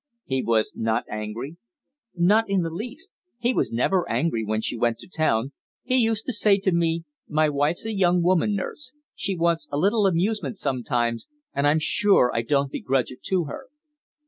"He was not angry?" "Not in the least. He was never angry when she went to town. He used to say to me, 'My wife's a young woman, nurse. She wants a little amusement sometimes, and I'm sure I don't begrudge it to her.'"